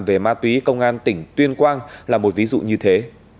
về ma túy công an tỉnh tuyên quang là một ví dụ như thế